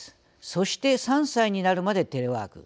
そして、３歳になるまでテレワーク。